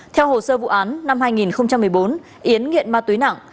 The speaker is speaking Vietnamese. theo hồ sơ vụ án năm hai nghìn một mươi bốn yến nghiện ma túy nặng